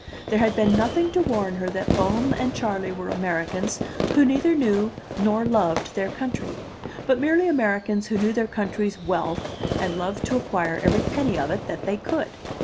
There had been nothing to warn her that Bohm and Charley were Americans who neither knew nor loved their country, but merely Americans who knew their country's wealth and loved to acquire every penny of it that they could.